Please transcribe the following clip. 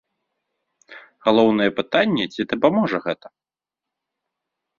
Галоўнае пытанне, ці дапаможа гэта?